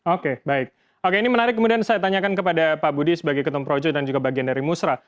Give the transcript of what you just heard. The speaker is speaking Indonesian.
oke baik oke ini menarik kemudian saya tanyakan kepada pak budi sebagai ketum projo dan juga bagian dari musrah